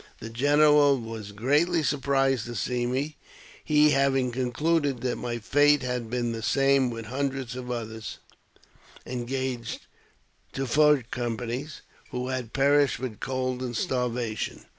The general was greatly surprised to see me, he having concluded that my fate had been the same with hundreds of others, engaged to fur companies, who had perished with cold and starvation.